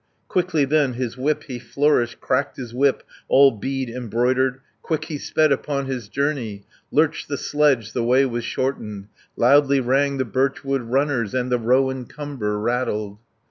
Quickly then his whip he flourished, Cracked his whip, all bead embroidered, Quick he sped upon his journey, Lurched the sledge, the way was shortened, 10 Loudly rang the birchwood runners, And the rowan cumber rattled.